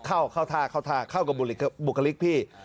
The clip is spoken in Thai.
อ้าวเออเข้าทางเข้ากับบุกริกพี่